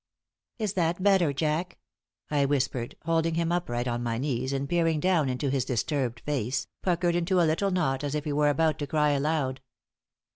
"Is that better, Jack?" I whispered, holding him upright on my knees and peering down into his disturbed face, puckered into a little knot, as if he were about to cry aloud.